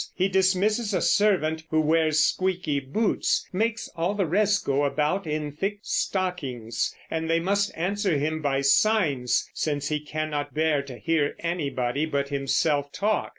He dismisses a servant who wears squeaky boots; makes all the rest go about in thick stockings; and they must answer him by signs, since he cannot bear to hear anybody but himself talk.